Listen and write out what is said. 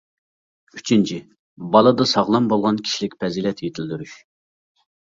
ئۈچىنچى: بالىدا ساغلام بولغان كىشىلىك پەزىلەت يېتىلدۈرۈش.